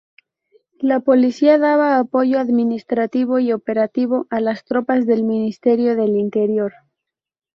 La policía daba apoyo administrativo y operativo a las tropas del Ministerio del Interior.